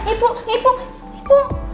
ibu ibu ibu